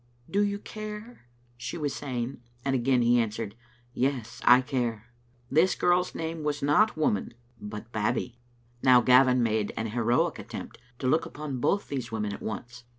" Do you care?" she was say ing, and again he answered, "Yes, I care." This girl's name was not Woman, but Babbie. Now Gavin made an heroic attempt to look upon both these women at once.